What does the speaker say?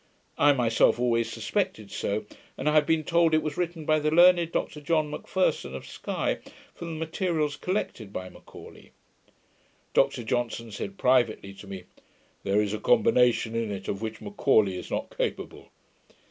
I myself always suspected so; and I have been told it was written by the learned Dr John M'Pherson of Sky, from the materials collected by M'Aulay. Dr Johnson said privately to me, 'There is a combination in it of which M'Aulay is not capable.'